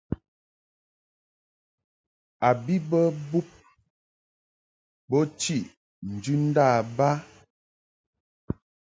A bi bə bub bo chiʼ njɨndab ba.